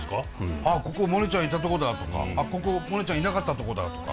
ああここモネちゃんいたとこだとかここモネちゃんいなかったとこだとか。